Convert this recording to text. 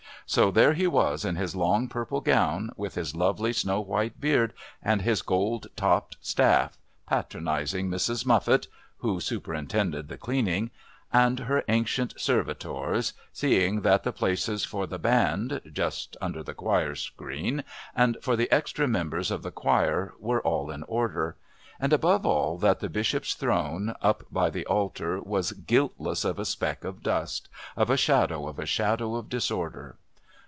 So there he was in his long purple gown, with his lovely snow white beard, and his gold topped staff, patronising Mrs. Muffit (who superintended the cleaning) and her ancient servitors, seeing that the places for the Band (just under the choir screen) and for the extra members of the choir were all in order, and, above all, that the Bishop's Throne up by the altar was guiltless of a speck of dust, of a shadow of a shadow of disorder.